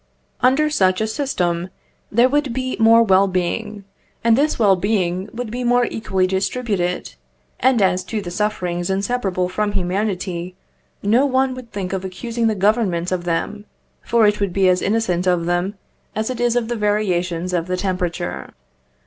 Under such a system, there would be more well being, and this well being would be more equally distributed; and as to the sufferings inseparable from humanity, no one would think of accusing the Government of them, for it would be as innocent of them as it is of the variations of the temperature.